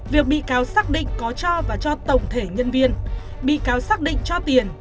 việc bị cáo xác định có cho và cho tổng thể nhân viên bị cáo xác định cho tiền